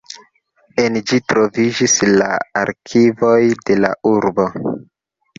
En ĝi troviĝis la arkivoj de la urbo.